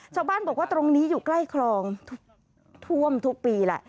ชาวบ้านบอกว่าตรงนี้อยู่ใกล้คลองท่วมทุกปีแหละ